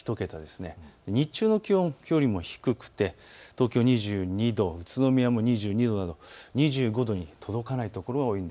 日中の気温、きょうよりも低くて東京２２度、宇都宮も２２度など２５度に届かない所が多い。